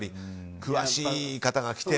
詳しい方が来て。